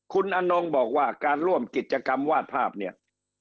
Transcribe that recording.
คุณอนงบอกว่าการร่วมกิจกรรมวาดภาพเนี่ย